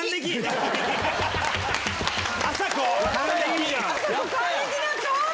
あさこ還暦だ！